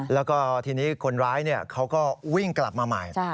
แล้วก็ทีนี้คนร้ายเขาก็วิ่งกลับมาใหม่